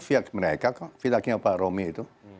fiat mereka kok fiatnya pak romy itu